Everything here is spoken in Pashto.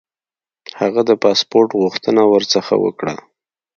هغه د پاسپوټ غوښتنه ورڅخه وکړه.